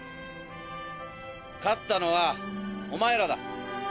勝ったのはお前らだ。